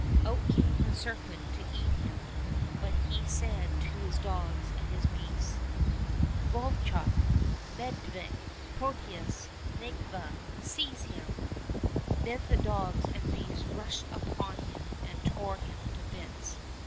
" Out came the serpent to eat him, but he said to his dogs and his beasts, " Vovchok ! Medvedik ! Protius ! Nedviga ! Seize him !" Then the dogs and the beasts rushed upon him and tore him to bits.